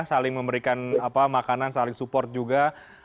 saling memberikan makanan saling support juga